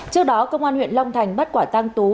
trước đó công an huyện long thành bắt quả tăng tú